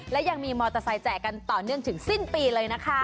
และยังมีมอเตอร์ไซค์แจกกันต่อเนื่องถึงสิ้นปีเลยนะคะ